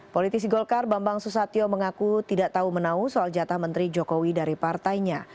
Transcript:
politisi golkar bambang susatyo mengaku tidak tahu menau soal jatah menteri jokowi dari partainya